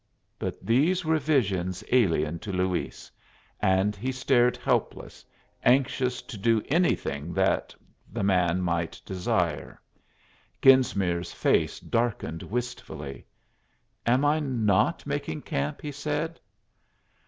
But these were visions alien to Luis, and he stared helpless, anxious to do anything that the man might desire. Genesmere's face darkened wistfully. "Am I not making camp?" he said.